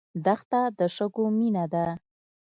دښته د شګو مینه ده.